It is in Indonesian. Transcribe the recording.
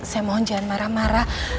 saya mohon jangan marah marah